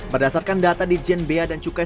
berdasarkan data di jnb dan cukai